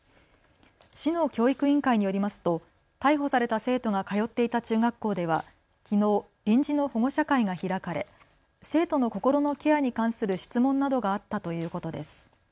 市の教育委員会によりますと逮捕された生徒が通っていた中学校では、きのう臨時の保護者会が開かれ生徒の心のケアに関する質問などがあったということです。